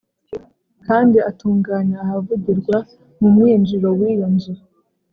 Kandi atunganya ahavugirwa mu mwinjiro w’iyo nzu